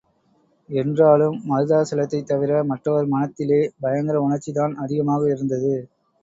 என்றாலும், மருதாசலத்தைத் தவிர மற்றவர் மனத்திலே பயங்கர உணர்ச்சிதான் அதிகமாக இருந்தது.